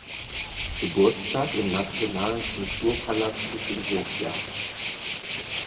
Geburtstag im Nationalen Kulturpalastes in Sofia.